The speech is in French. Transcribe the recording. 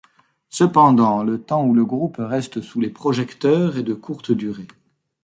Cependant, le temps où le groupe reste sous les projecteurs est de courte durée.